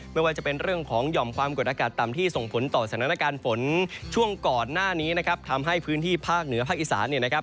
ไม่ว่าจะเป็นเรื่องของหย่อมความกดอากาศต่ำที่ส่งผลต่อสถานการณ์ฝนช่วงก่อนหน้านี้นะครับทำให้พื้นที่ภาคเหนือภาคอีสานเนี่ยนะครับ